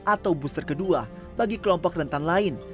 atau booster kedua bagi kelompok rentan lain